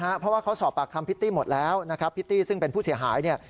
เพราะว่าเขาสอบปากคำพิตตี้หมดแล้วนะครับพิตตี้ซึ่งเป็นผู้เสียหายเนี่ย